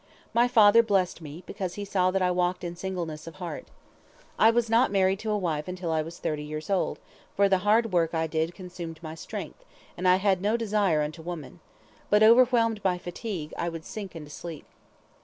My father blessed me, because he saw that I walked in singleness of heart. I was not married to a wife until I was thirty years old, for the hard work I did consumed my strength, and I had no desire unto woman, but, overwhelmed by fatigue, I would sink into sleep.